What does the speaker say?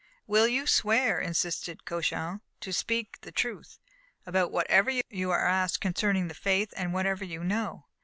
"Will you swear," insisted Cauchon, "to speak the truth about whatever you are asked concerning the faith, and whatever you know?"